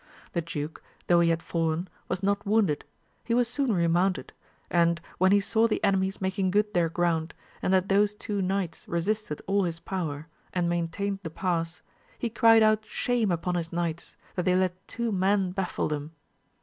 The duke, though he had fallen, was not wounded; he was soon remounted; and when he saw the enemies making good their ground, and that those two knights resisted all his power, and maintained the pass, he cried out shame upon his knights, that they let two men baffle them.